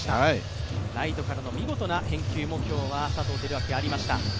ライトからの見事な返球が今日は佐藤輝明ありました。